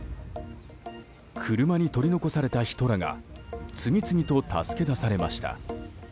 車に取り残された人らが次々と助け出されました。